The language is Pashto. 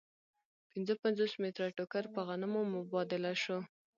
پنځه پنځوس متره ټوکر په غنمو مبادله شو